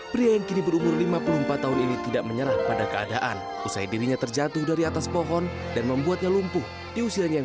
pria yang kini berumur lima puluh empat tahun ini tidak menyerah pada kemampuan